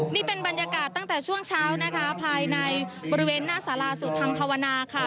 นี่เป็นบรรยากาศตั้งแต่ช่วงเช้านะคะภายในบริเวณหน้าสาราสุธรรมภาวนาค่ะ